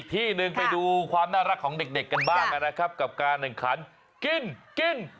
ที่หนึ่งไปดูความน่ารักของเด็กกันบ้างนะครับกับการแข่งขันกินกิน